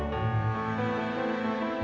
kamu sudah menjadi milikku